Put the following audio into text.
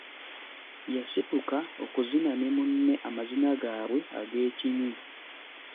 Yasituka okuzina ne munne amazina gaabwe ag'ekinywi.